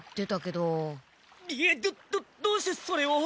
どっどっどうしてそれを？